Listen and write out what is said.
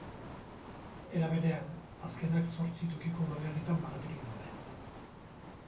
Era berean, azkenak zortzi tokiko udalerritan banaturik daude.